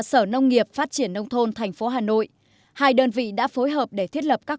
sở nông nghiệp phát triển nông thôn thành phố hà nội hai đơn vị đã phối hợp để thiết lập các